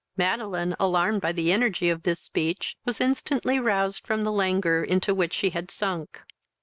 Madeline, alarmed by the energy of this speech, was instantly roused from the languor into which she had sunk.